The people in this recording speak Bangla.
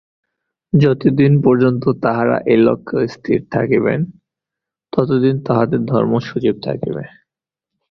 যতদিন পর্যন্ত তাঁহারা এই লক্ষ্যে স্থির থাকিবেন, ততদিন তাঁহাদের ধর্ম সজীব থাকিবে।